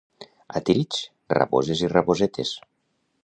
A Tírig, raboses i rabosetes.